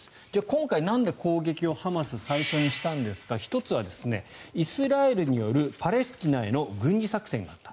今回、なんで攻撃をハマスは最初にしたんですか１つはイスラエルによるパレスチナへの軍事作戦があった。